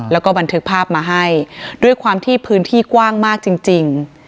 แล้วก็บันทึกภาพมาให้ด้วยความที่พื้นที่กว้างมากจริง